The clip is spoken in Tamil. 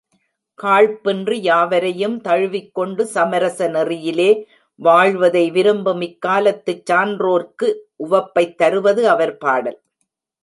காழ்ப்பின்றி யாவரையும் தழுவிக் கொண்டு சமரச நெறியிலே வாழ்வதை விரும்பும் இக்காலத்துச் சான்றோர்க்கு உவப்பைத் தருவது அவர் பாடல்.